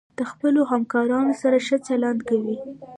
د خپلو همکارانو سره ښه چلند کوئ.